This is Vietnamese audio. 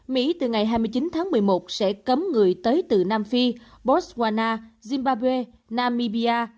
mỹ từ ngày hai mươi chín tháng một mươi một sẽ cấm người tới từ nam phi botswana zimbabwe nam mibia